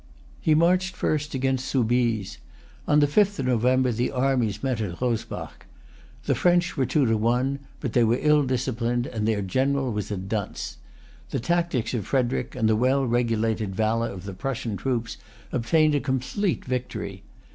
He marched first against Soubise. On the fifth of November the armies met at Rosbach. The French were two to one; but they were ill disciplined, and their general was a dunce. The tactics of Frederic, and the well regulated valor of the Prussian troops, obtained a complete victory.